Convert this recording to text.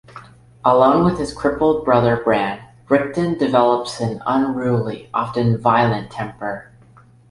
Alone with his crippled brother Bran, Rickon develops an unruly, often violent temper.